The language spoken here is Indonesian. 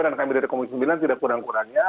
dan kami dari komunikasi sembilan tidak kurang kurangnya